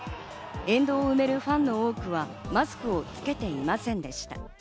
沿道を埋めるファンの多くはマスクをつけていませんでした。